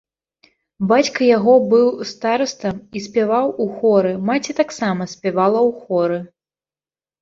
Бацька яго быў старастам і спяваў у хоры, маці таксама спявала ў хоры.